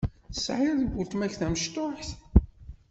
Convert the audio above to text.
Tesɛiḍ weltma-k tamecṭuḥt?